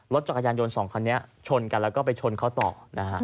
รถจักรยานยนต์สองคันนี้ชนกันแล้วก็ไปชนเขาต่อนะฮะ